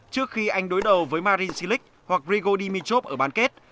trước khi anh đối đầu với marin silic hoặc rigo dimitrov ở bán kết